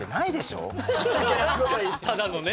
ただのね。